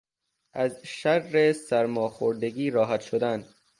از شر سرماخوردگی راحت شدن